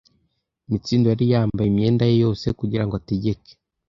Mitsindo yari yambaye imyenda ye yose kugirango ategeke.